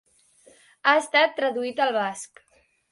Ha estat traduït al basc.